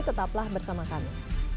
tetaplah bersama kami